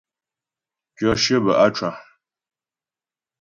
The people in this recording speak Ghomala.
Tyɔ shyə bə á cwa.